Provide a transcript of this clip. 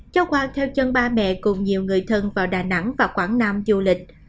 cháu quang theo chân ba mẹ cùng nhiều người thân vào đà nẵng và quảng nam du lịch